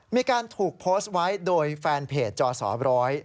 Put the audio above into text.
มีการถูกโพสต์ไว้โดยแฟนเพจจอสอบร้อย